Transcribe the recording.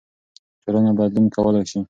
ټولنه بدلون کولای سي.